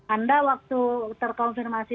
anda waktu terkonfirmasi